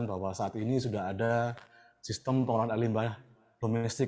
bahwa saat ini sudah ada sistem pengelolaan air limbah domestik